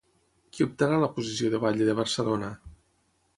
Qui optarà a la posició de batlle de Barcelona?